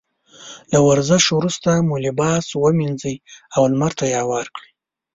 له ورزش وروسته مو لباس ومينځئ او لمر ته يې هوار کړئ.